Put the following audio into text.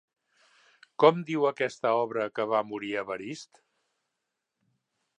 Com diu aquesta obra que va morir Evarist?